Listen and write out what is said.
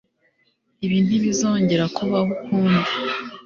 ibi ntibizongera kubaho ukundi